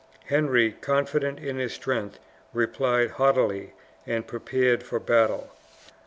Henry, confident in his strength, replied haughtily and prepared for battle.